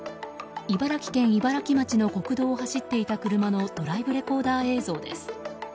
茨城県茨城町の国道を走っていた車のドライブレコーダー映像です。